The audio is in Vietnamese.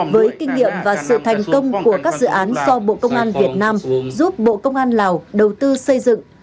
với kinh nghiệm và sự thành công của các dự án do bộ công an việt nam giúp bộ công an lào đầu tư xây dựng